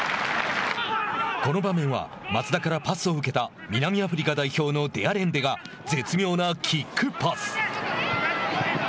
この場面は松田からパスを受けた南アフリカ代表のデアレンデが絶妙なキックパス。